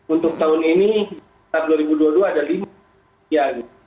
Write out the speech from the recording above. untuk tahun ini tahun dua ribu dua puluh dua ada lima